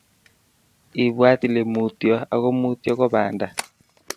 Ibwat ile mutyo ako mutyo ko banda